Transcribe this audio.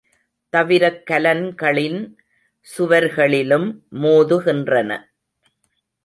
தவிரக் கலன்களின் சுவர்களிலும் மோதுகின்றன.